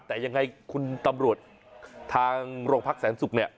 แต่ยังไงคุณตำรวจทางโรงพักแสนศุกร์เนี่ย